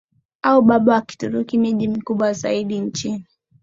au baba wa Kituruki Miji mikubwa zaidi nchini